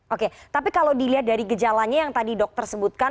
oke tapi kalau dilihat dari gejalanya yang tadi dokter sebutkan